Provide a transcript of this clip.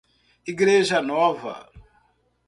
Igreja Nova